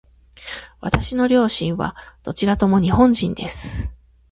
私の両親はどちらとも日本人です。